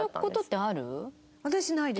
私ないです。